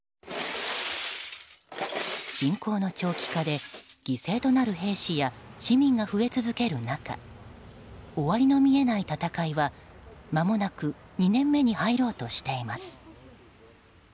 侵攻の長期化で犠牲となる兵士や市民が増え続ける中終わりの見えない戦いはまもなく２年目に入ろうとしています。